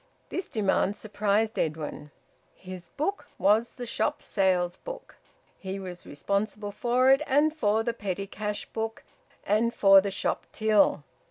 This demand surprised Edwin. `His' book was the shop sales book. He was responsible for it, and for the petty cash book, and for the shop till.